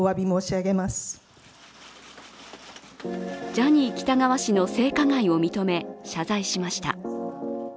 ジャニー喜多川氏の性加害を認め謝罪しました。